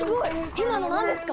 今の何ですか？